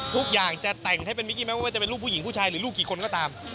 ทุกอย่างจะแต่งให้เป็นมิกกี้ไม่ว่าจะเป็นลูกผู้หญิงผู้ชายหรือลูกกี่คนก็ตาม